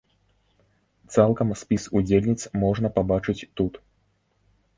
Цалкам спіс удзельніц можна пабачыць тут.